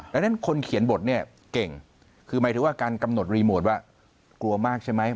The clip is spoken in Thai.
ดังนั้นคนเขียนบทเนี่ยเก่งคือหมายถึงว่าการกำหนดรีโมทว่ากลัวมากใช่ไหม